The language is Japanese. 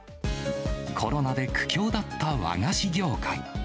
コロナで苦境だった和菓子業界。